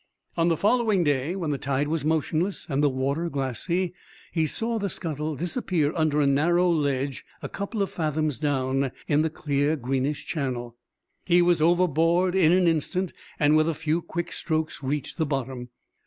On the following day, when the tide was motionless and the water glassy, he saw the scuttle disappear under a narrow ledge a couple of fathoms down in the clear, greenish channel. He was overboard in an instant, and with a few quick strokes reached the bottom.